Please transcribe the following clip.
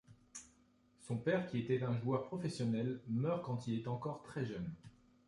Son père qui était un joueur professionnel meurt quand il est encore très jeune.